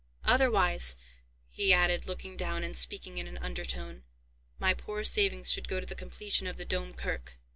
Otherwise," he added, looking down, and speaking in an under tone, "my poor savings should go to the completion of the Dome Kirk."